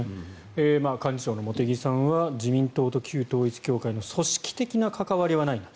幹事長の茂木さんは自民党と旧統一教会との組織的な関わりはないんだ